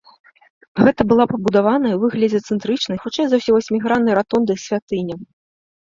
Гэта была пабудаваная ў выглядзе цэнтрычнай, хутчэй за ўсё васьміграннай ратонды святыня.